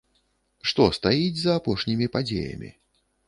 Што стаіць за апошнімі падзеямі?